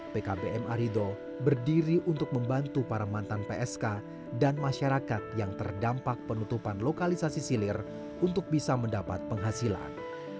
pkbm arido berdiri untuk membantu para mantan psk dan masyarakat yang terdampak penutupan lokalisasi silir untuk bisa mendapat penghasilan